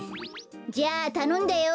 じゃあたのんだよ。